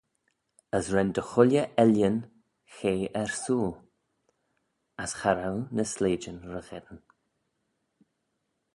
As ren dy chooilley ellan chea ersooyl, as cha row ny sleityn ry-gheddyn.